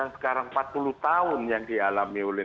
sekarang empat puluh tahun yang dialami oleh